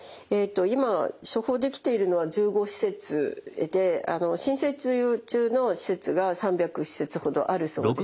今処方できているのは１５施設で申請中の施設が３００施設ほどあるそうです。